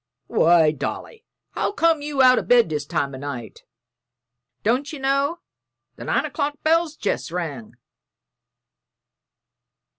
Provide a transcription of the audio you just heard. "Why, Dolly, how came you out o' bed this time o' night? Don't ye know the nine o'clock bell's jest rung?"